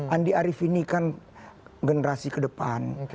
andi arief ini kan generasi kedepan